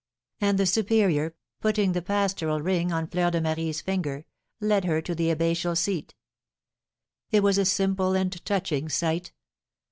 And the superior, putting the pastoral ring on Fleur de Marie's finger, led her to the abbatial seat. It was a simple and touching sight.